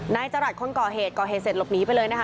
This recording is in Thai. จรัสคนก่อเหตุก่อเหตุเสร็จหลบหนีไปเลยนะคะ